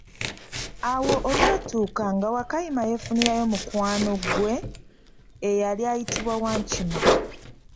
Awo olwatuuka nga Wakayima yefunirayo mukwano gwe eyali ayitibwa Wankima.